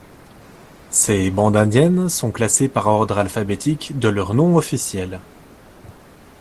Ces bandes indiennes sont classées par ordre alphabétique de leur nom officiel.